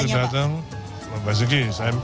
untuk datang pak basuki